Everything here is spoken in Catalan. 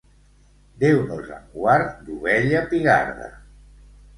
Déu nos en guard d'ovella pigarda.